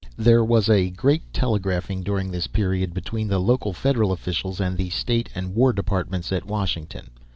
There was a great telegraphing, during this period, between the local Federal officials and the state and war departments at Washington.